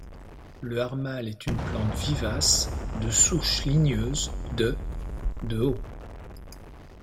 Le harmal est une plante vivace, de souche ligneuse, de de haut.